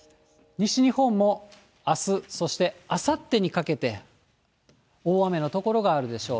西日本もあす、そしてあさってにかけて、大雨の所があるでしょう。